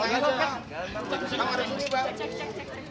kamar sendiri bang